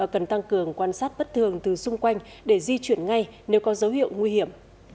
cần tăng cường quan sát bất thường từ xung quanh để di chuyển ngay nếu có dấu hiệu nguy hiểm